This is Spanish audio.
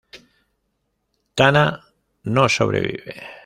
Tana no sobrevive.